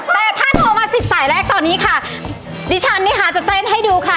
แต่ถ้าโทรมาสิบสายแรกตอนนี้ค่ะดิฉันนะคะจะเต้นให้ดูค่ะ